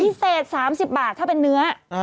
พิเศษ๓๐บาทถ้าเป็นเนื้อ